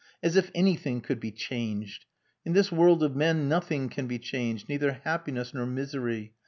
As if anything could be changed! In this world of men nothing can be changed neither happiness nor misery.